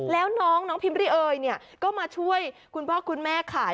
แล้วน้องพิมพรี่เอยเนี่ยก็มาช่วยคุณพ่อคุณแม่ขาย